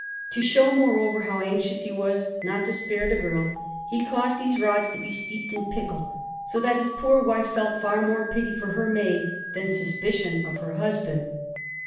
To show, moreover, how anxious he was not to spare the girl, he caused these rods to be steeped in pickle, so that his poor wife felt far more pity for her maid than suspicion of her husband.